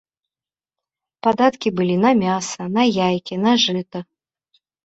Падаткі былі на мяса, на яйкі, на жыта.